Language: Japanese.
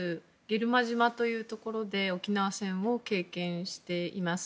慶留間島というところで沖縄戦を経験しています。